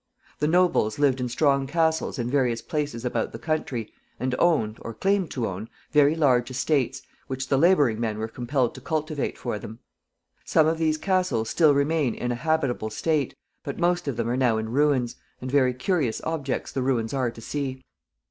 The nobles lived in strong castles in various places about the country, and owned, or claimed to own, very large estates, which the laboring men were compelled to cultivate for them. Some of these castles still remain in a habitable state, but most of them are now in ruins and very curious objects the ruins are to see. [Illustration: RUINS OF AN ANCIENT CASTLE.